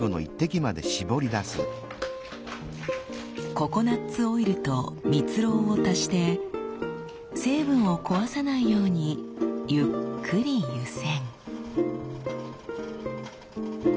ココナツオイルと蜜ろうを足して成分を壊さないようにゆっくり湯煎。